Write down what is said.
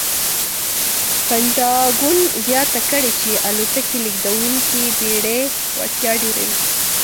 پنټاګون زیاته کړې چې الوتکې لېږدونکې بېړۍ وړتیا ډېروي.